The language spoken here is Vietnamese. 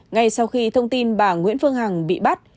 ngay sau khi thông tin bà nguyễn phương hằng bị bắt